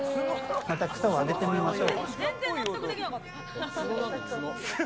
また草をあげてみましょう。